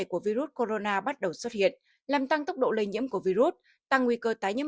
của virus corona bắt đầu xuất hiện làm tăng tốc độ lây nhiễm của virus tăng nguy cơ tái nhiễm